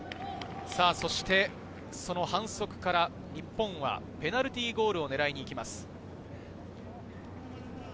そしてその反則から日本はペナルティーゴールを狙いにいきます。